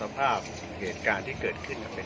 ถ้าไม่ได้ขออนุญาตมันคือจะมีโทษ